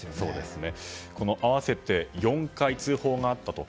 合わせて４回、通報があったと。